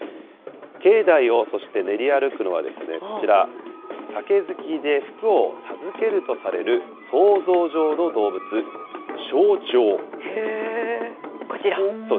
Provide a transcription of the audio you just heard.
境内を、そして練り歩くのは、こちら、酒好きで福を授けるとされる想像上の動物、しょうじょう。